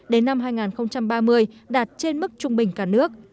đến năm hai nghìn ba mươi đạt trên mức trung bình cả nước